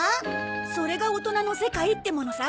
それが大人の世界ってものさ。